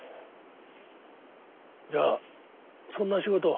じゃあそんな仕事を？